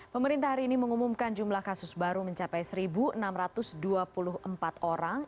pemerintah hari ini mengumumkan jumlah kasus baru mencapai satu enam ratus dua puluh empat orang